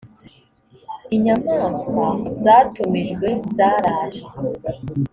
inyamaswa zatumijwe zaraje